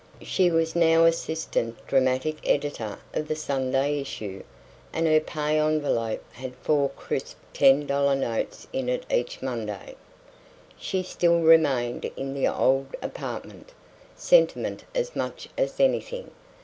She was now assistant dramatic editor of the Sunday issue, and her pay envelope had four crisp ten dollar notes in it each Monday. She still remained in the old apartment; sentiment as much as anything.